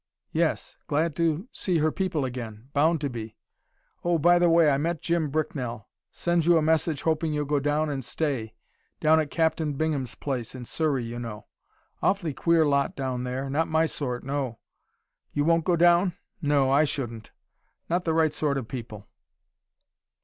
Yes! glad to see her people again. Bound to be Oh, by the way, I met Jim Bricknell. Sends you a message hoping you'll go down and stay down at Captain Bingham's place in Surrey, you know. Awfully queer lot down there. Not my sort, no. You won't go down? No, I shouldn't. Not the right sort of people."